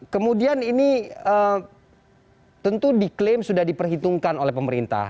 kemudian ini tentu diklaim sudah diperhitungkan oleh pemerintah